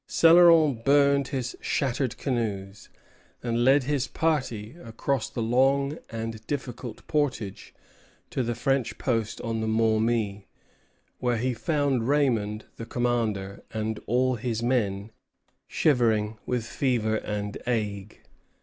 Céloron burned his shattered canoes, and led his party across the long and difficult portage to the French post on the Maumee, where he found Raymond, the commander, and all his men, shivering with fever and ague.